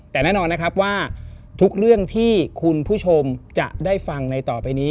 แต่แน่นอนนะครับว่าทุกเรื่องที่คุณผู้ชมจะได้ฟังในต่อไปนี้